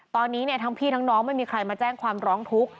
ตอนนี้ทั้งพี่ทั้งน้องไม่มีใครมาแจ้งความร้องทุกข์